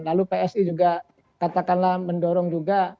lalu psi juga katakanlah mendorong juga